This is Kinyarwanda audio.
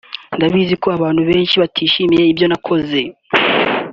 “Ndabizi ko abantu benshi batishimiye ibyo nakoze